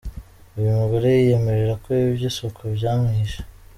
Uyu mugore yiyemerera ko iby’isuku byamwihishe.